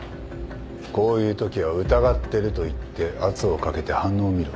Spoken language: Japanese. こういうときは「疑ってる」と言って圧をかけて反応を見ろ。